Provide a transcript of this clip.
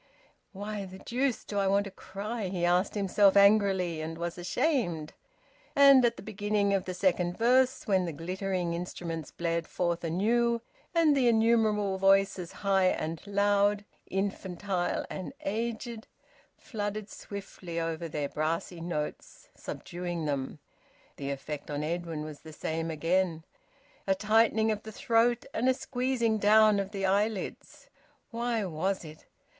"Why the deuce do I want to cry?" he asked himself angrily, and was ashamed. And at the beginning of the second verse, when the glittering instruments blared forth anew, and the innumerable voices, high and loud, infantile and aged, flooded swiftly over their brassy notes, subduing them, the effect on Edwin was the same again: a tightening of the throat, and a squeezing down of the eyelids. Why was it?